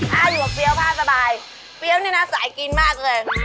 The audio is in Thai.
ถ้าอยู่อัพีย้วฝ้าสบายเร็วใช่ปะสายกินมากเลย